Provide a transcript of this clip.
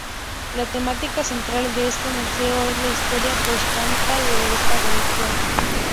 La temática central de este museo es la historia prehispánica de esta región.